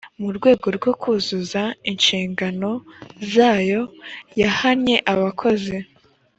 mu rwego rwo kuzuza inshingano zayo yahannye abakozi.